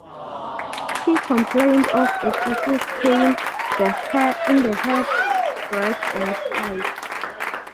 He complained of excessive pain in the head, breast, and sides.